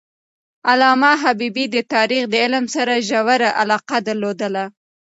علامه حبیبي د تاریخ د علم سره ژوره علاقه درلودله.